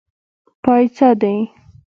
پايڅۀ دې.